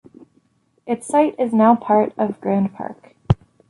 Its site is now part of Grand Park.